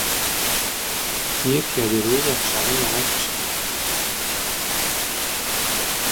روی پیادهرو یخزده نمک پاشیدن